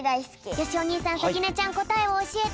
よしお兄さんさきねちゃんこたえをおしえて！